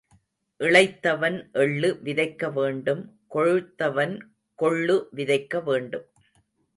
இளைத்தவன் எள்ளு விதைக்க வேண்டும் கொழுத்தவன் கொள்ளு விதைக்க வேண்டும்.